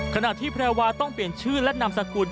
ขณะที่แพรวาต้องเปลี่ยนชื่อและนามสกุล